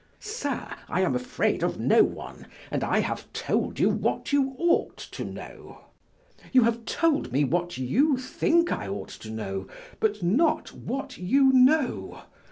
"Sir, I am afraid of no one, and I have told you what you ought to know." "You have told me what you think I ought to know, but not what you know.